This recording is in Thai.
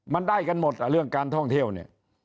มันได้กันหมดเรื่องการท่องเที่ยวเนี่ย